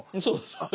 そうです。